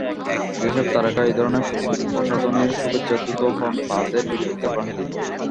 যেসব তারকা এ ধরনের প্রসাধনীর শুভেচ্ছাদূত হন, তাঁদেরও বিরোধিতা করেন তিনি।